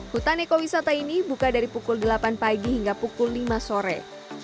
hutan ekowisata ini buka dari pukul delapan pagi hingga pukul lima sore